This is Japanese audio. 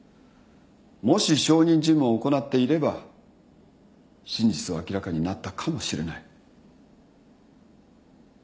もし証人尋問を行っていれば真実は明らかになったかもしれない。